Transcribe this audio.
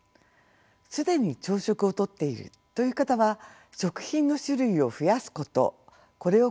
既に朝食をとっているという方は食品の種類を増やすことこれを心がけるとよいと思います。